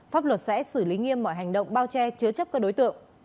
pháp luật sẽ xử lý nghiêm mọi hành động bao che chứa chấp các đối tượng